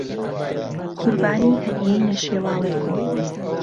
قوربانی ههنیهی نهشيواوت بم